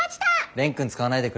蓮くん使わないでくれる？